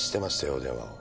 お電話を。